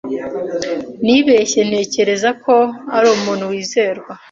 Nibeshye ntekereza ko ari umuntu wizerwa.